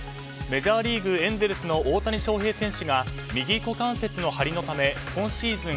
メジャーリーグエンゼルスの大谷翔平選手が右股関節の張りのため今シーズン